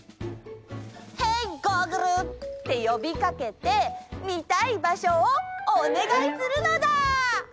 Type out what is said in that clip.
「ヘイ！ゴーグル」ってよびかけてみたい場所をおねがいするのだ！